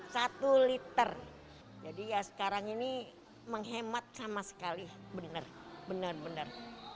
satu liter jadi ya sekarang ini menghemat sama sekali benar benar benar